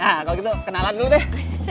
ah kalau gitu kenalan dulu deh